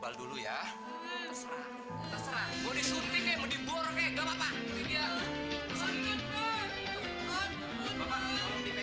aduh aku gr sendiri